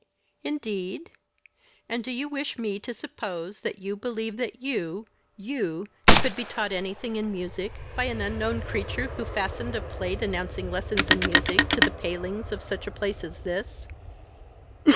"Indeed? And do you wish me to suppose that you believed that you you could be taught anything in music by an unknown creature who fastened a plate announcing lessons in music, to the palings of such a place as this?"